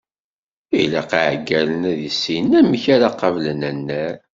Ilaq iɛeggalen ad issinen amek ara qablen annar.